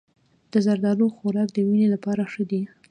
د زردالو خوراک د وینې لپاره ښه دی.